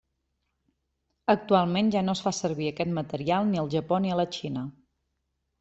Actualment ja no es fa servir aquest material ni al Japó ni a la Xina.